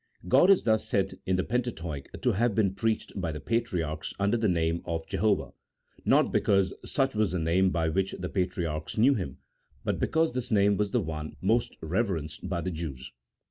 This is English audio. God is thus said in the Pentateuch to have been preached by the patriarchs under the name of Jehovah, not because such was the name by which the patriarchs knew Him, but because this name was «CHAP. XIII.] OF THE SIMPLICITY OF SCRIPTURE. 179 the one most reverenced by the Jews.